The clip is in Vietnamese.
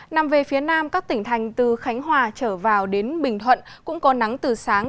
nằm về phía nam các tỉnh thành từ khánh hòa trở vào đến bình thuận cũng có nắng từ sáng